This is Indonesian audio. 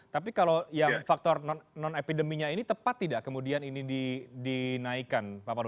tapi kalau yang faktor non epideminya ini tepat tidak kemudian ini dinaikkan pak pandu